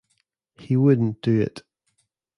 He wouldn't do it.